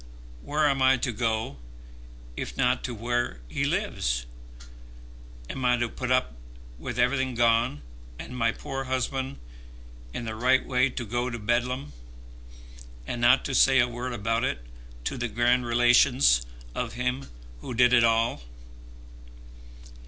Where am I to go if not to where he lives? Am I to put up with everything gone, and my poor husband in the right way to go to Bedlam, and not to say a word about it to the grand relations of him who did it all?"